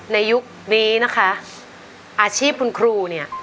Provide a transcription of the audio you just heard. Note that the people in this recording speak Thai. ในยุคนี้นะคะอาชีพคุณครูเนี่ย